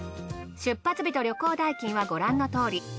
出発日と旅行代金はご覧のとおり。